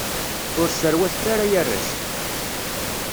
Ur sserwatet ara ay arrac!